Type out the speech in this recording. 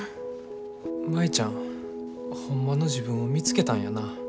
舞ちゃんホンマの自分を見つけたんやな。